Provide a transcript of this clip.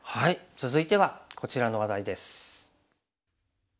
続いてはこちらの話題です。